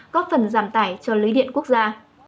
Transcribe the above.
góp phần giảm tải cho lưới điện quốc gia